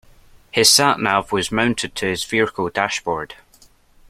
His sat nav was mounted to his vehicle dashboard